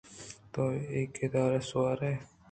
تو یدار ءَ سوار ئے